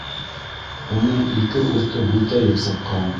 Уның ике урты бүлтәйеп сыҡҡан.